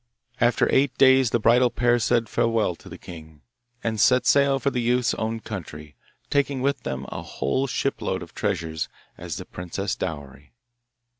After eight days the bridal pair said farewell to the king, and set sail for the youth's own country, taking with them a whole shipload of treasures as the princess's dowry.